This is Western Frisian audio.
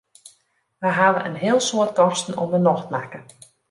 Wy hawwe in heel soad kosten om 'e nocht makke.